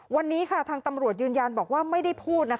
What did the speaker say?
วันนี้ทางตำรวจยืนยันบอกว่าไม่ได้พูด